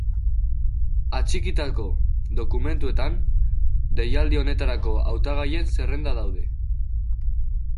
Atxikitako dokumentuetan, deialdi honetarako hautagaien zerrenda daude.